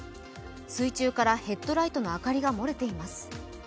水中からヘッドライトの明かりが漏れています。